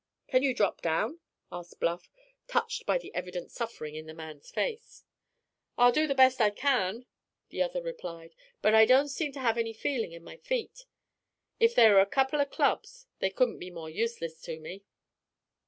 "Can you drop down?" asked Bluff, touched by the evident suffering in the man's face. "I'll do the best I can," the other replied, "but I don't seem to have any feeling in my feet. If they were a couple of clubs they couldn't be more useless to me."